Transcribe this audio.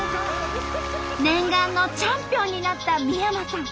念願のチャンピオンになった三山さん。